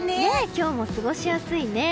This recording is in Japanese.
今日も過ごしやすいね。